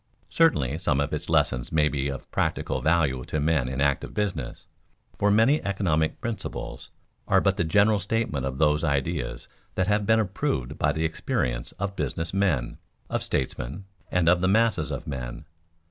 (Certainly some of its lessons may be of practical value to men in active business) for many economic "principles" are but the general statement of those ideas that have been approved by the experience of business men, of statesmen, and of the masses of men.